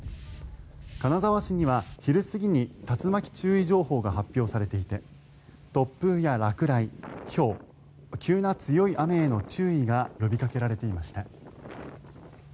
金沢市には昼過ぎに竜巻注意情報が発表されていて突風や落雷、ひょう急な強い雨への注意が呼びかけられていました。